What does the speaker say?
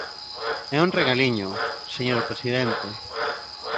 É un regaliño, señor presidente.